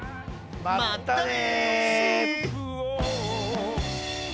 またね！